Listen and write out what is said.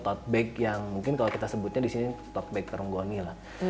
itu hanya tote bag yang mungkin kalau kita sebutnya disini tote bag terunggoni lah